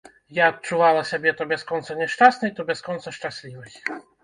Я адчувала сябе то бясконца няшчаснай, то бясконца шчаслівай.